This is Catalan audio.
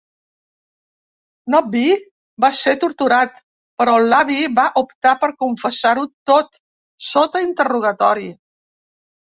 Nobby va ser torturat, però l'avi va optar per confessar-ho tot sota interrogatori.